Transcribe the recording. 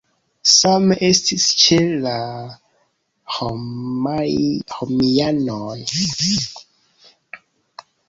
Same estis ĉe la romianoj.